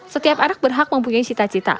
setiap anak berhak mempunyai cita cita